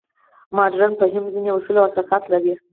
مډرن فهم ځینې اصول او اساسات لري.